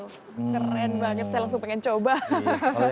keren banget saya langsung pengen coba